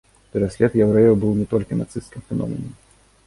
Пераслед яўрэяў быў не толькі нацысцкім феноменам.